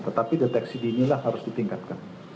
tetapi deteksi dini lah harus ditingkatkan